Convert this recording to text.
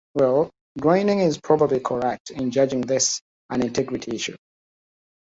Well, Groening is probably correct in judging this an integrity issue.